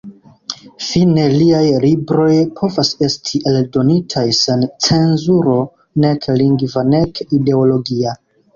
Fine liaj libroj povas esti eldonitaj sen cenzuro, nek lingva nek ideologia.